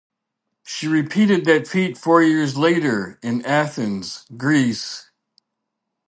She repeated that feat four years later in Athens, Greece.